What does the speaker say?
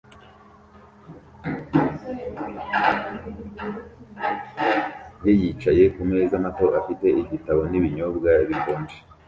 ye yicaye ku meza mato afite igitabo n’ibinyobwa bikonje